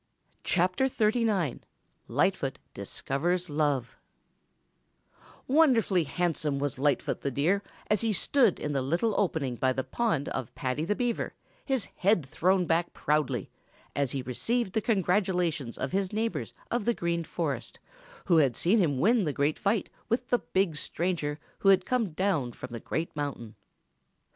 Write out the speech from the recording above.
CHAPTER XXXIX LIGHTFOOT DISCOVERS LOVE Wonderfully handsome was Lightfoot the Deer as he stood in the little opening by the pond of Paddy the Beaver, his head thrown back proudly, as he received the congratulations of his neighbors of the Green Forest who had seen him win the great fight with the big stranger who had come down from the Great Mountain.